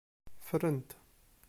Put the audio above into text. Ffren-t.